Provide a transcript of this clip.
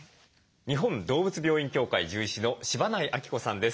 日本動物病院協会獣医師の柴内晶子さんです。